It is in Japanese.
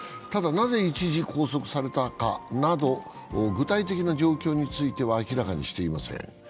ただ、なぜ一時拘束されたかなど具体的な状況については明らかにしていません。